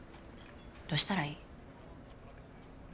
どうしたらいい？